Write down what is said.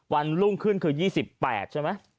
วันรุ่งขึ้นคือ๒๘ใช่ไหม